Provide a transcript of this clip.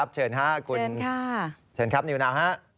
เชิญค่ะคุณนิวนาฮะ